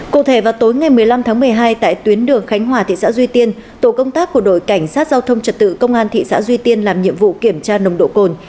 cụ thể vào tối ngày một mươi năm tháng một mươi hai tại tuyến đường khánh hòa thị xã duy tiên tổ công tác của đội cảnh sát giao thông trật tự công an thị xã duy tiên làm nhiệm vụ kiểm tra nồng độ cồn